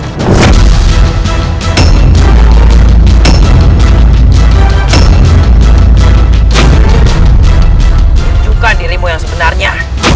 tunjukkan dirimu yang sebenarnya